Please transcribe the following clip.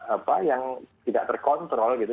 apa yang tidak terkontrol gitu